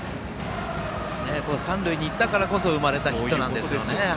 三塁に行ったからこそ生まれたヒットなんですよね。